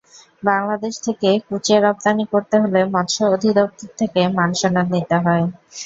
বাংলাদেশ থেকে কুঁচে রপ্তানি করতে হলে মৎস্য অধিদপ্তর থেকে মান সনদ নিতে হয়।